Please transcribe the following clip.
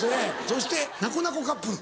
そしてなこなこカップル。